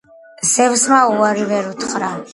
ზევსმა უარი ვერ უთხრა